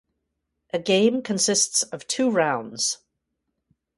A game consists of two rounds.